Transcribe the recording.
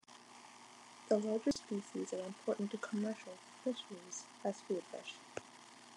The larger species are important to commercial fisheries as food fish.